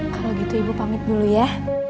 kalau gitu ibu pamit dulu ya